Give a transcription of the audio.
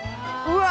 うわ！